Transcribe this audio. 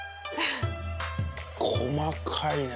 細かいね。